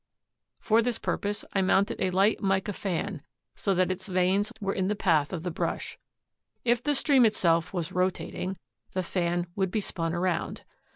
For this purpose I mounted a light mica fan so that its vanes were in the path of the brush. If the stream itself was rotating the fan would be spun around.